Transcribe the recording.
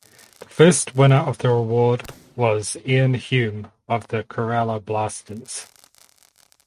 The first winner of the award was Iain Hume of the Kerala Blasters.